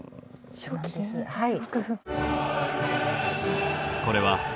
はい。